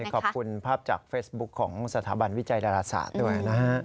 ขอบคุณภาพจากเฟซบุ๊คของสถาบันวิจัยดาราศาสตร์ด้วยนะฮะ